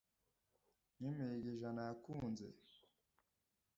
Nk’imihigo ijana yakunze.